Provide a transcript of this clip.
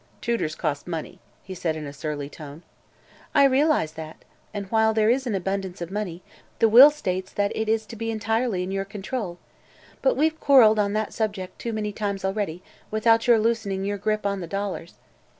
"Tutors cost money," he said in a surly tone. "I realize that; and while there is an abundance of money, the will states that it is to be entirely in your control. But we've quarreled on that subject too many times already, without your loosening your grip on the dollars.